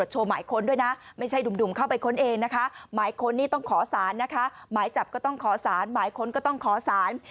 หมายจับก็ต้องขอสารหมายค้นก็ต้องขอสาร